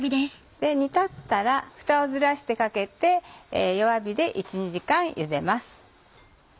煮立ったらフタをずらしてかけて弱火で１２時間ゆでます。